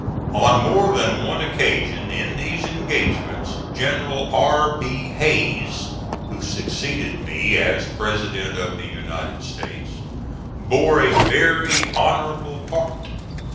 On more than one occasion in these engagements General R. B. Hayes, who succeeded me as President of the United States, bore a very honorable part.